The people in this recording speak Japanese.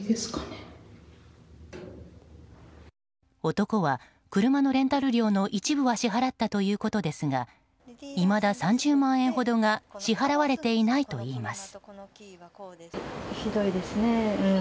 男は車のレンタル料の一部は支払ったということですがいまだ３０万円ほどが支払われていないといいます。